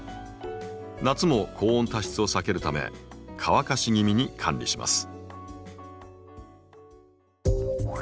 夏も高温多湿を避けるため乾かし気味に管理します。